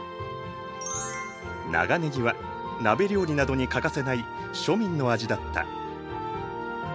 長ねぎは鍋料理などに欠かせない庶民の味だった。